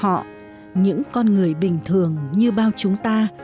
họ những con người bình thường như bao chúng ta